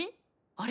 あれ？